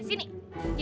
sini jangan hapus